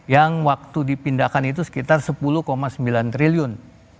yang waktu dipindahkan itu sekitar sepuluh sembilan triliun